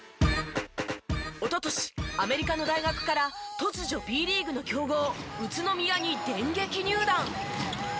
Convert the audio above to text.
おととしアメリカの大学から突如Ｂリーグの強豪宇都宮に電撃入団。